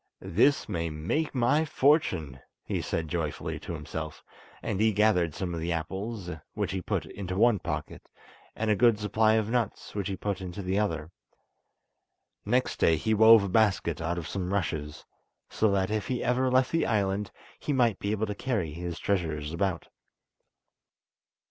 "This may make my fortune," he said joyfully to himself; and he gathered some of the apples, which he put into one pocket, and a good supply of nuts which he put into the other. Next day he wove a basket out of some rushes, so that if he ever left the island he might be able to carry his treasures about.